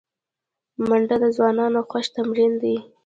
منډه د ځوانانو خوښ تمرین دی